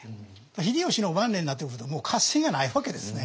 秀吉の晩年になってくると合戦がないわけですね。